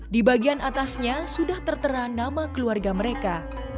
di bagian atasnya sudah tertera nama keluarga mereka